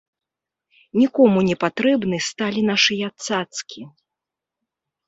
Нікому не патрэбны сталі нашыя цацкі.